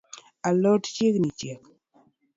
A lot chiegni chiek